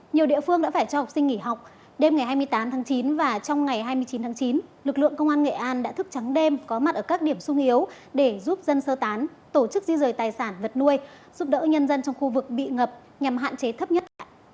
nhiều địa phương đã phải cho học sinh nghỉ học đêm ngày hai mươi tám tháng chín và trong ngày hai mươi chín tháng chín lực lượng công an nghệ an đã thức trắng đêm có mặt ở các điểm sung yếu để giúp dân sơ tán tổ chức di rời tài sản vật nuôi giúp đỡ nhân dân trong khu vực bị ngập nhằm hạn chế thấp nhất